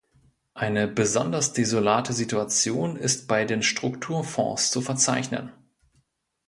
Eine besonders desolate Situation ist bei den Strukturfonds zu verzeichnen.